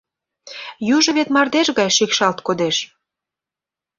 Южо вет мардеж гай шикшалт кодеш.